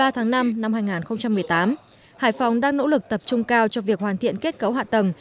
một mươi tháng năm năm hai nghìn một mươi tám hải phòng đang nỗ lực tập trung cao cho việc hoàn thiện kết cấu hạ tầng